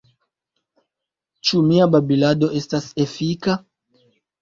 Ĉu mia babilado estas efika?